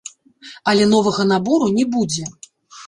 Але новага набору не будзе.